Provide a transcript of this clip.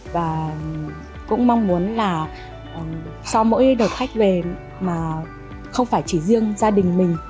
và cũng mong muốn là sau mỗi đợt khách về mà không phải chỉ riêng gia đình mình